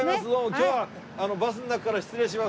今日はバスの中から失礼します。